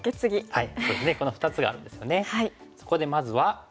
はい。